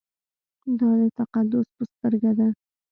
دا د تقدس په سترګه ده.